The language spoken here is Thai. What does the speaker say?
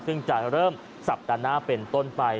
ซึ่งจะเริ่มสัปดาห์หน้าเป็นต้นไป